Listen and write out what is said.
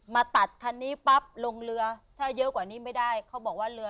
มาตัดคันนี้ปั๊บลงเรือถ้าเยอะกว่านี้ไม่ได้เขาบอกว่าเรือ